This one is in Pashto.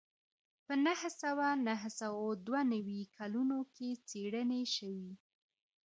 په نهه سوه نهه سوه دوه نوي کلونو کې څېړنې شوې